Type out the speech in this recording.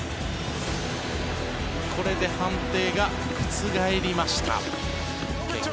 これで判定が覆りました。